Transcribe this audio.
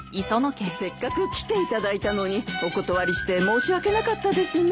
せっかく来ていただいたのにお断りして申し訳なかったですね。